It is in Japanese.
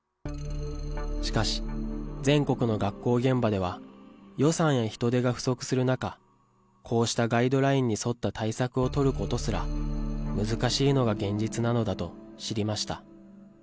しかし、全国の学校現場では、予算や人手が不足する中、こうしたガイドラインに沿った対策を取ることすら難しいのが現実なのだと知りました。